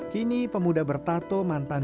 kini pemuda bertato mantan